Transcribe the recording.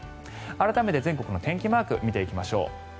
改めて全国の天気マーク見ていきましょう。